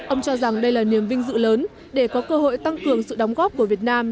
ông cho rằng đây là niềm vinh dự lớn để có cơ hội tăng cường sự đóng góp của việt nam